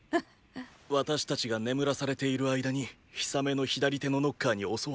私たちが眠らされている間にヒサメの左手のノッカーに襲われたんです。